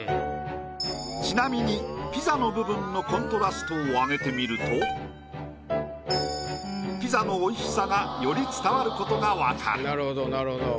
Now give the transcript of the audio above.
ちなみにピザの部分のコントラストを上げてみるとピザの美味しさがより伝わることが分かる。